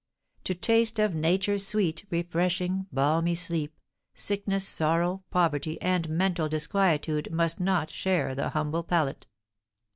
To taste of nature's sweet, refreshing, balmy sleep, sickness, sorrow, poverty, and mental disquietude must not share the humble pallet.